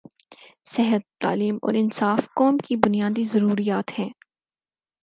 صحت، تعلیم اور انصاف قوم کی بنیادی ضروریات ہیں۔